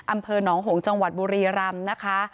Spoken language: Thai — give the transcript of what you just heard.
อำเภอหนองหงจังหวัดบุรีรำนะคะ